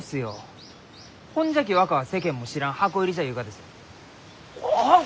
ほんじゃき若は世間も知らん箱入りじゃ言うがです。はあ！？